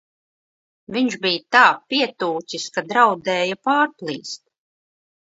Viņš bija tā pietūcis, ka draudēja pārplīst!